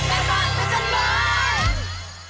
โปรดติดตามตอนต่อไป